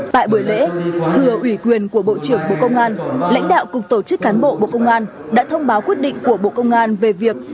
tại buổi lễ thưa ủy quyền của bộ trưởng bộ công an lãnh đạo cục tổ chức cán bộ bộ công an đã thông báo quyết định của bộ công an về việc